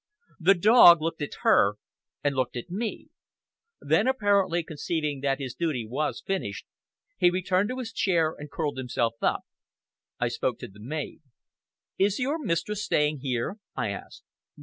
The dog looked at her and looked at me. Then, apparently conceiving that his duty was finished, he returned to his chair and curled himself up. I spoke to the maid. "Is your mistress staying here?" I asked.